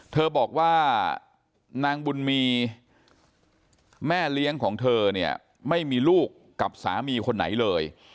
เธอบอกว่านางบุญมีแม่เลี้ยงของเธอเนี่ยไม่มีลูกกับสามีคนไหนเลย